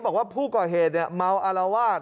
บอกว่าผู้ก่อเหตุเนี่ยมเมาอาลาวาท